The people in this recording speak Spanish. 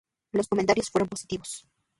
Los comentarios fueron positivos.